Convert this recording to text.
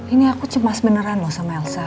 ini aku cemas beneran loh sama elsa